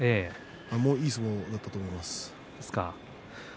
いい相撲を取ったと思います。